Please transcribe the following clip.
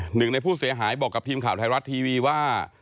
หนึ่งในผู้เสียหายบอกกับทีมข่าวไทยรัฐทีวีว่า